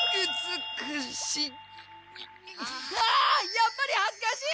やっぱりはずかしい！